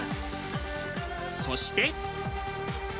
そして。